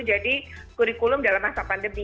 jadi kurikulum dalam masa pandemi